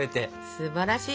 すばらしい。